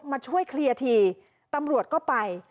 มาช่วยเคลียร์ทีตำรวจก็ไป